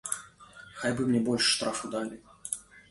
Хай бы мне больш штрафу далі.